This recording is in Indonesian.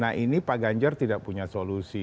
nah ini pak ganjar tidak punya solusi